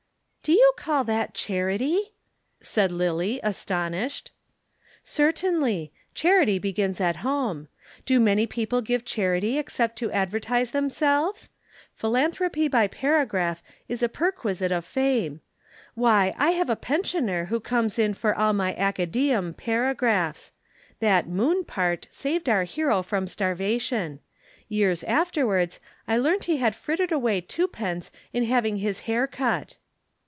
"Do you call that charity?" said Lillie, astonished. "Certainly. Charity begins at home. Do many people give charity except to advertise themselves? Philanthropy by paragraph is a perquisite of fame. Why, I have a pensioner who comes in for all my Acadæum paragraphs. That Moon part saved our hero from starvation. Years afterwards I learnt he had frittered away two pence in having his hair cut."